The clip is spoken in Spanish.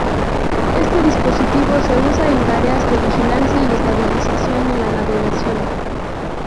Este dispositivo se usa en tareas de vigilancia y estabilización en la navegación.